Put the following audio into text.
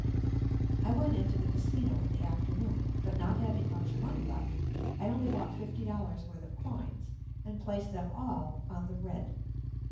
I went into the Casino in the afternoon, but not having much money left I only bought fifty dollars' worth of coins and placed them all on the "red."